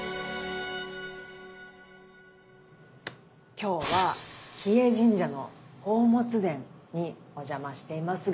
今日は日枝神社の宝物殿にお邪魔していますが。